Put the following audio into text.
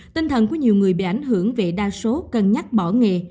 tinh thần của nhiều người bị ảnh hưởng vì đa số cân nhắc bỏ nghề